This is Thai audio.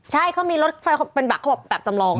ใช่เขามีรถไฟเป็นบัตรแล้วก็เป็นบัตรจำลองค่ะ